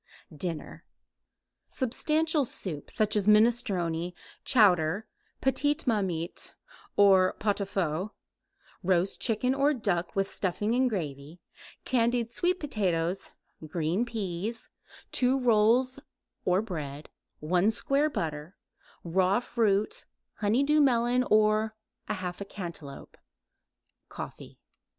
DINNER Substantial soup such as minestrone, chowder, petite marmite or pot au feu; roast chicken or duck with stuffing and gravy; candied sweet potatoes; green peas; 2 rolls or bread; 1 square butter; raw fruit, honey dew melon or 1/2 cantaloupe; coffee.